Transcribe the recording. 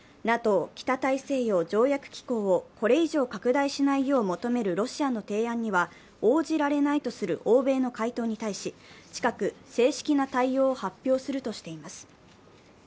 ＮＡＴＯ＝北大西洋条約機構をこれ以上拡大しないよう求めるロシアの提案には応じられないとする欧米の回答に対し、近く正式な対応を発表するとしています。